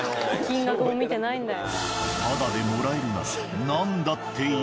金額も見てないんだよ。